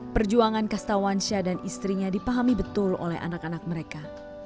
perjuangan kastawansyah dan istrinya dipahami betul oleh anak anak mereka